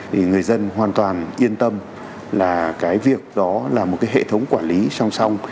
thì người dân hoàn toàn yên tâm là cái việc đó là một cái hệ thống quản lý song song